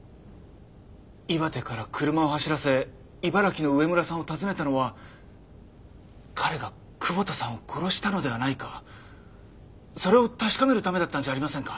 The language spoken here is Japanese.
岩手から車を走らせ茨城の上村さんを訪ねたのは彼が窪田さんを殺したのではないかそれを確かめるためだったんじゃありませんか？